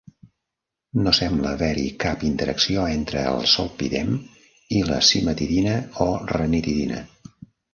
No sembla haver-hi cap interacció entre el zolpidem i la cimetidina o ranitidina.